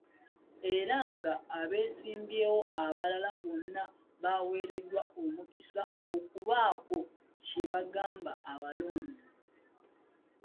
Era nga abeesimbyewo abalala bonna bawereddwa omukisa okubaako kye bagamba abalonzi.